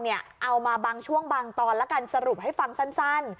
เอามาบางช่วงบางตอนแล้วกันสรุปให้ฟังสั้น